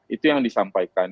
itu yang disampaikan